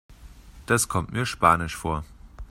Das kommt mir spanisch vor.